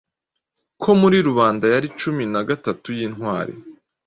Ko muri rubanda yari cumi na gatatu yintwari